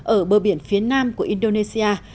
ở bờ biển phía nam của indonesia